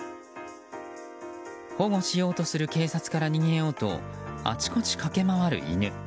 保護しようとする警察から逃げようとあちこち駆け回る犬。